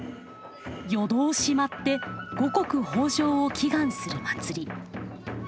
夜通し舞って五穀豊穣を祈願する祭り。